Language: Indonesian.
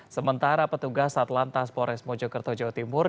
sementara petugas atlantas pores mojokerto jawa timur